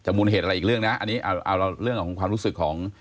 มูลเหตุอะไรอีกเรื่องนะอันนี้เอาเรื่องของความรู้สึกของ